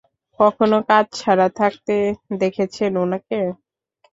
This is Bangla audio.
কখনও কাজ ছাড়া থাকতে দেখেছেন উনাকে?